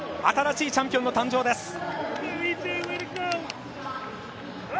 新しいチャンピオンの誕生です。